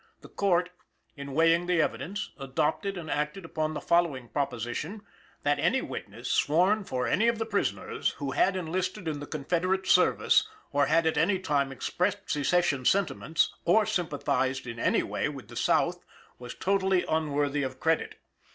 The Court, in weighing the evidence, adopted and acted upon the following proposition; that any witness, sworn for any of the prisoners, who had enlisted in the Confederate service, or had at any time expressed secession sentiments, or sympathized in any way with the South, was totally unworthy of credit.